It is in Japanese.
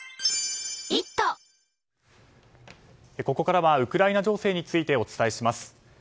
ここからはウクライナ情勢についてお伝えします。